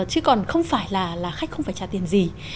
chứ còn không phải là khách không phải trả tiền gì